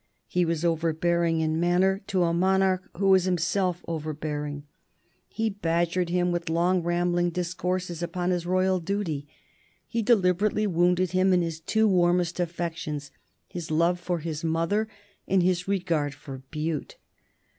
He was overbearing in manner to a monarch who was himself overbearing; he badgered him with long rambling discourses upon his royal duty; he deliberately wounded him in his two warmest affections, his love for his mother and his regard for Bute.